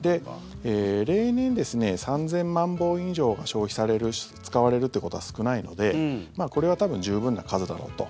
例年ですね３０００万本以上が消費される使われるということは少ないのでこれは多分、十分な数だろうと。